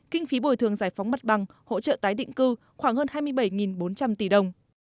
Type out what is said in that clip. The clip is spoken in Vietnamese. kinh phí bồi thường giải phóng mặt bằng hỗ trợ tái định cư khoảng hơn hai mươi bảy bốn trăm linh tỷ đồng